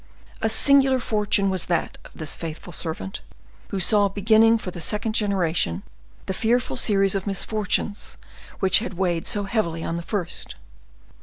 A singular fortune was that of this faithful servant, who saw beginning for the second generation the fearful series of misfortunes which had weighed so heavily on the first.